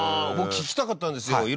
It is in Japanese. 僕聞きたかったんですよ。